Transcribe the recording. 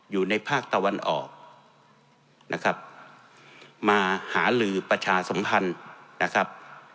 อยู่ในภาคตะวันออกนะครับมาหาลือประชาสมพันธ์นะครับ